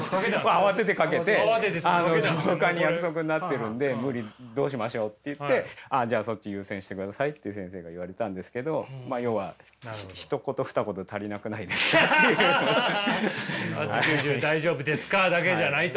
慌ててかけてほかに約束になってるんで無理どうしましょうって言ってじゃあそっち優先してくださいって先生が言われたんですけれどまあ要は「８、９、１０大丈夫ですか？」だけじゃないと。